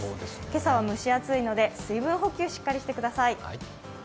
今朝は蒸し暑いので水分補給、しっかりしてください。